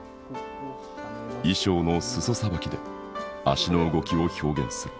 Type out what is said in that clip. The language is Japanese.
衣裳の裾さばきで足の動きを表現する。